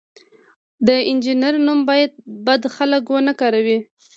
د انجینر نوم باید بد خلک ونه کاروي.